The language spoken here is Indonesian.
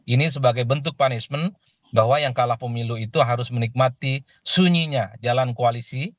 ini sebagai bentuk punishment bahwa yang kalah pemilu itu harus menikmati sunyinya jalan koalisi